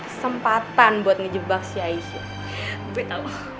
kesempatan buat ngejebak si aisyah gue tau